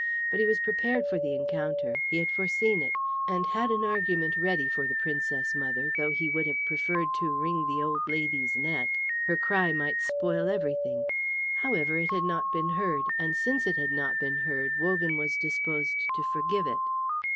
But he was prepared for the encounter; he had foreseen it, and had an argument ready for the Princess mother, though he would have preferred to wring the old lady's neck. Her cry might spoil everything. However, it had not been heard, and since it had not been heard, Wogan was disposed to forgive it.